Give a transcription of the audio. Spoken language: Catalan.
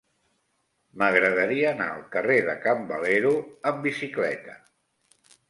M'agradaria anar al carrer de Can Valero amb bicicleta.